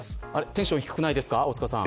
テンション低くないですか大塚さん。